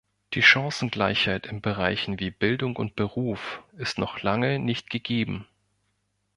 Die Chancengleichheit in Bereichen wie Bildung und Beruf ist noch lange nicht gegeben.